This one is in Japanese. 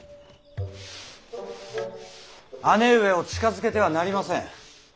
姉上を近づけてはなりません。